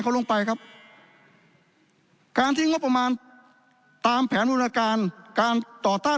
เขาลงไปครับการทิ้งงบประมาณตามแผนบูรณาการการต่อต้าน